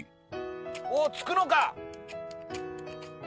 おっ付くのか？